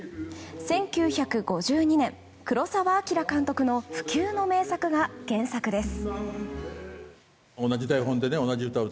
１９５２年、黒澤明監督の不朽の名作が原作です。